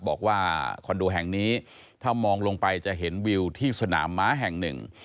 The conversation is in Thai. คอนโดแห่งนี้ถ้ามองลงไปจะเห็นวิวที่สนามม้าแห่งหนึ่ง